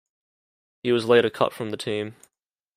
He was later cut from the team.